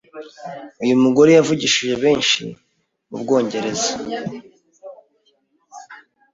Uyu mugore yavugishije benshi mu Bwongereza,